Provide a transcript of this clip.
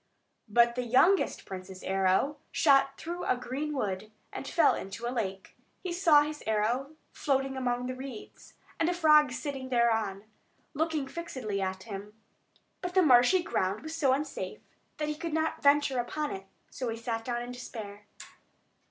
But the youngest prince's arrow shot through a green wood, and fell into a lake. He saw his arrow floating among the reeds, and a frog sitting thereon, looking fixedly at him. But the marshy ground was so unsafe that he could not venture upon it; so he sat down in despair.